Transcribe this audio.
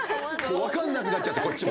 わかんなくなっちゃってこっちも。